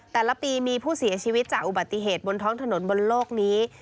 แต่ละปีมีผู้เสียชีวิตจากอุบัติเหตุบนท้องถนนบนโลกนี้